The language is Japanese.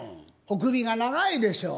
お首が長いでしょ？